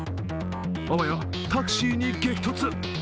あわやタクシーに激突。